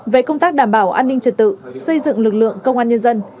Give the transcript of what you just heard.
về công tác đảm bảo an ninh trật tự xây dựng lực lượng công an nhân dân